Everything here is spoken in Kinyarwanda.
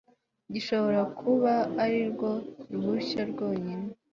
gishobora kuba ari rwo ruhushya rwonyine